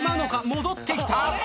戻ってきた。